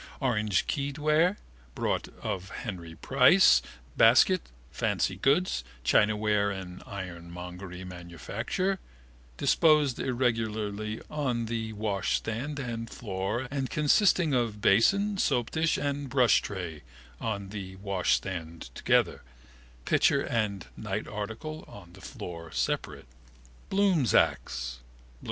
Orangekeyed ware, bought of Henry Price, basket, fancy goods, chinaware and ironmongery manufacturer, 21, 22, 23 Moore street, disposed irregularly on the washstand and floor and consisting of basin, soapdish and brushtray (on the washstand, together), pitcher and night article (on the floor, separate). Bloom's acts?